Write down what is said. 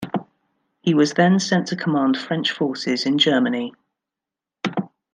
He was then sent to command French forces in Germany.